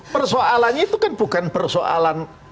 persoalannya itu kan bukan persoalan